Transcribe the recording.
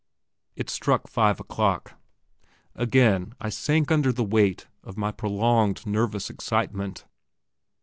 It struck five o'clock! Again I sank under the weight of my prolonged nervous excitement.